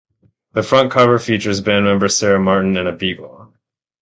The front cover features band member Sarah Martin and a beagle.